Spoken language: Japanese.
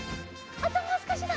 あともうすこしだ！